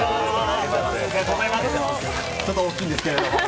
ちょっと大きいんですけども。